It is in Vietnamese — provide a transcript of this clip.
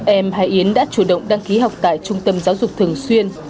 em hay yến đã chủ động đăng ký học tại trung tâm giáo dục thường xuyên